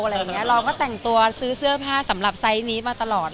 เราก็แต่งตัวซื้อเสื้อผ้าสำหรับไซส์นี้มาตลอด